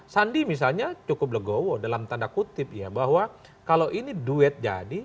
sandi misalnya cukup legowo dalam tanda kutip ya bahwa kalau ini duet jadi